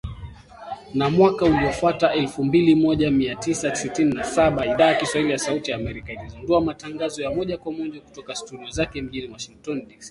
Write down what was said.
Na mwaka uliofuata, elfu moja mia tisa sitini na saba, Idhaa ya Kiswahili ya Sauti ya Amerika ilizindua matangazo ya moja kwa moja kutoka studio zake mjini Washington DC